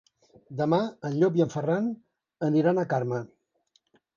Demà en Llop i en Ferran aniran a Carme.